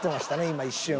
今一瞬。